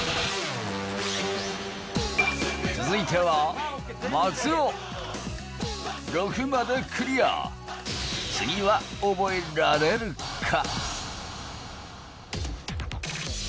続いては松尾６までクリア次は覚えられるか？